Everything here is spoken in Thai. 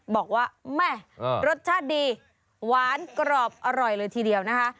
บอกว่าแม่รสชาติดีหวานกรอบอร่อยเลยทีเดียวนะคะ